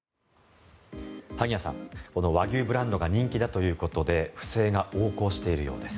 萩谷さん、和牛ブランドが人気だということで不正が横行しているようです。